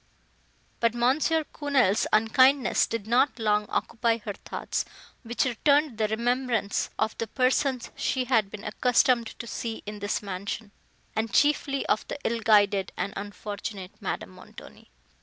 But M. Quesnel's unkindness did not long occupy her thoughts, which returned the remembrance of the persons she had been accustomed to see in this mansion, and chiefly of the ill guided and unfortunate Madame Montoni.